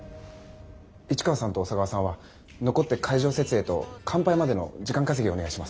市川さんと小佐川さんは残って会場設営と乾杯までの時間稼ぎをお願いします。